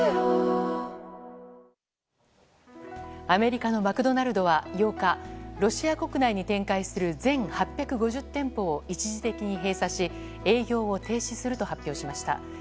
アメリカのマクドナルドは８日ロシア国内に展開する全８５０店舗を一時的に閉鎖し営業を停止すると発表しました。